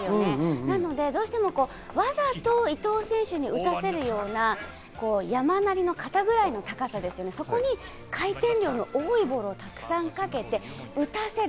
なので、どうしてもわざと伊藤選手に打たせるような山なりの肩ぐらいの高さ、そこに回転量の多いボールをたくさんかけて打たせる。